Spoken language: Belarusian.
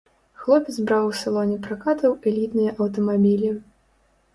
Хлопец браў у салоне пракату элітныя аўтамабілі.